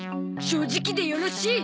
正直でよろしい！